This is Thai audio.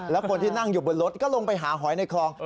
แล้วคนที่นั่งอยู่บนรถก็ลงไปหาหอยในคลอง